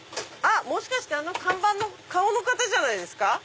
もしかしてあの看板の顔の方じゃないですか？